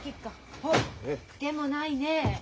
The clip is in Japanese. あっでもないねえ。